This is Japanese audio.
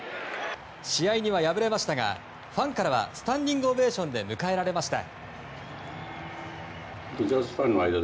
試合には敗れましたがファンからはスタンディングオベーションで迎えられました。